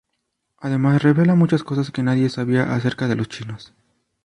Además revela muchas cosas que nadie sabía acerca de los chinos.